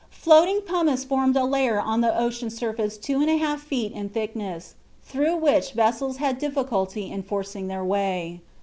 Floating pumice formed a layer on the ocean surface two and a half feet in thickness, through which vessels had difficulty in forcing their way.